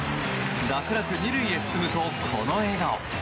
楽々２塁へ進むと、この笑顔。